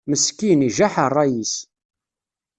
Meskin, ijaḥ ṛṛay-is.